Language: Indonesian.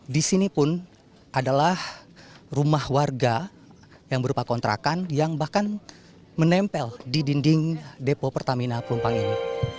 di sini pun adalah rumah warga yang berupa kontrakan yang bahkan menempel di dinding depo pertamina pelumpang ini